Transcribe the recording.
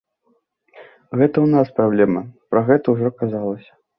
Гэта ў нас праблемы, пра гэта ўжо казалася.